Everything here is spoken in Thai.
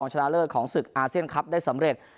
ชนะเลิศของศึกอาเซียนคลับได้สำเร็จ